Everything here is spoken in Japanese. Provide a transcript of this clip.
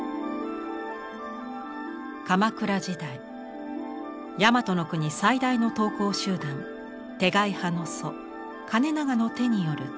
鎌倉時代大和国最大の刀工集団手掻派の祖包永の手による太刀。